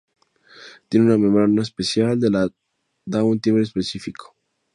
Tiene una membrana especial que le da un timbre específico.